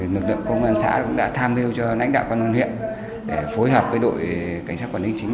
lực lượng công an xã cũng đã tham mưu cho lãnh đạo công an huyện để phối hợp với đội cảnh sát quản lý chính